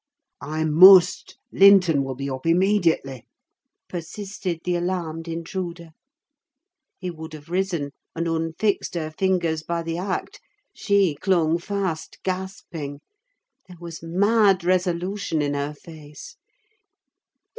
"I must—Linton will be up immediately," persisted the alarmed intruder. He would have risen, and unfixed her fingers by the act—she clung fast, gasping: there was mad resolution in her face.